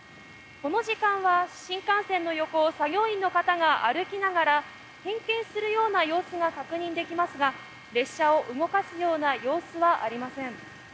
この時間は新幹線の横を作業員の方が歩きながら、点検するような様子が確認できますが列車を動かすような様子はありません。